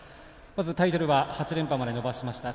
まずタイトルは８連覇まで伸ばしました。